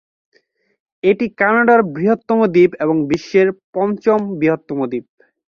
এটি কানাডার বৃহত্তম দ্বীপ এবং বিশ্বের পঞ্চম বৃহত্তম দ্বীপ।